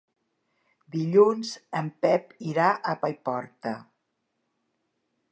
Dilluns en Pep irà a Paiporta.